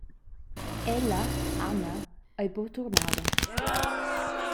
Ella, Anna, ei buc turnada.